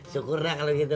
syukur lah kalo gitu